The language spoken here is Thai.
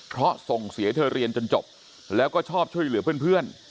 เพราะส่งเสียให้เธอเรียนจนจบแล้วก็ชอบช่วยเหลือเพื่อน